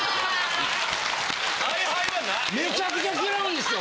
めちゃくちゃ嫌うんですよ